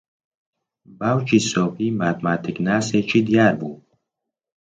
باوکی سۆفی ماتماتیکناسێکی دیار بوو.